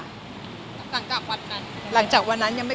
เราจะผ่านกระบวนการทางทนายไป